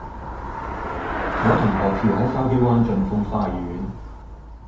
我同學住喺筲箕灣峻峰花園